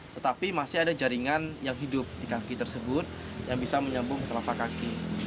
tetapi masih ada jaringan yang hidup di kaki tersebut yang bisa menyambung ke telapak kaki